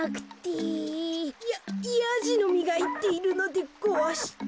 ヤヤジの実がいっているのでごわして。